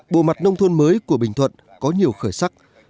bộ mặt nông thôn mới của bình thuận có nhiều khởi sắc